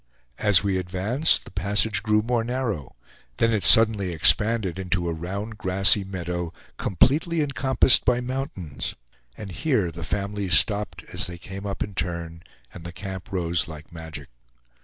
As we advanced, the passage grew more narrow; then it suddenly expanded into a round grassy meadow, completely encompassed by mountains; and here the families stopped as they came up in turn, and the camp rose like magic.